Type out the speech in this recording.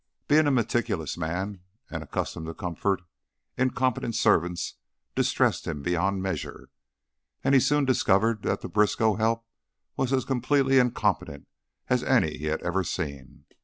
Being a meticulous man and accustomed to comfort, incompetent servants distressed him beyond measure, and he soon discovered that the Briskow help was as completely incompetent as any he had ever seen.